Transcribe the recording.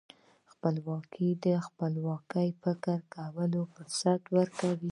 خپلواکي د خپلواک فکر کولو فرصت ورکوي.